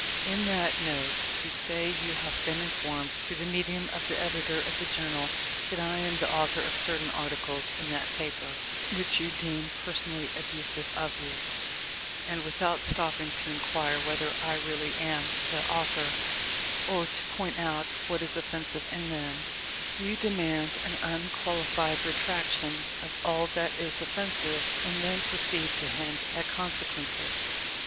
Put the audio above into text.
In that note you say you have been informed, through the medium of the editor of the Journal, that I am the author of certain articles in that paper which you deem personally abusive of you; and, without stopping to inquire whether I really am the author, or to point out what is offensive in them, you 250 THE LIFE 0F LINCOLN. demand an unqualified retraction of all that is offensive, and then proceed to hint at consequences.